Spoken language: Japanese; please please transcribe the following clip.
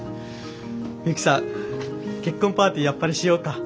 ミユキさん結婚パーティーやっぱりしようか。